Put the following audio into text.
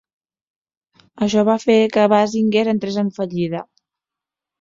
Això va fer que Basinger entrés en fallida.